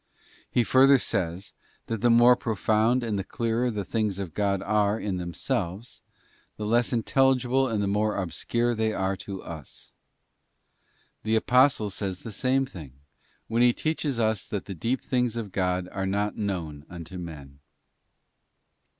He further says, that the more profound and the clearer the things of God are in themselves, the less intelligible and the more obscure they are to us. The Apostle says the same thing, when he teaches us that the deep things of God are not known unto men.